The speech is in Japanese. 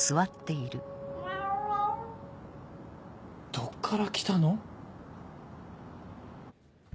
どっから来たの？